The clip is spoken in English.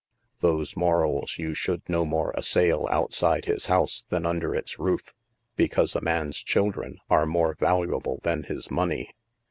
Those morals you should no more assail outside his house than under its roof, because a man's children are more valuable than his money.